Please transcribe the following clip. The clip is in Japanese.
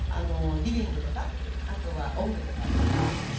リビングとか、あとはお風呂とか時々。